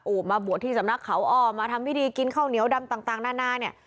มาบวชที่สำนักเขาอ้อมาทำพิธีกินข้าวเหนียวดำต่างนานาเนี่ย